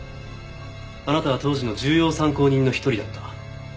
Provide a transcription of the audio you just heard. あなたは当時の重要参考人の一人だった。